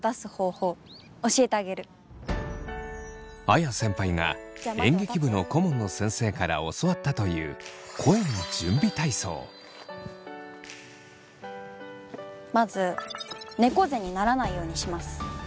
あや先輩が演劇部の顧問の先生から教わったというまず猫背にならないようにします。